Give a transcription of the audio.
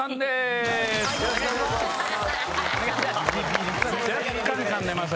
よろしくお願いします。